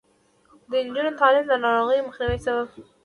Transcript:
د نجونو تعلیم د ناروغیو مخنیوي سبب دی.